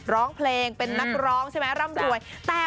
ร้องเพลงเป็นนักร้องใช่ไหมร่ำรวย